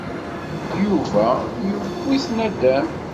Yuba yewwi-t nadam.